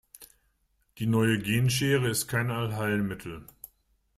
Die neue Genschere ist kein Allheilmittel.